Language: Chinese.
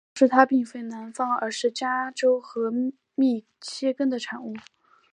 同时它并非南方而是加州和密歇根的产物。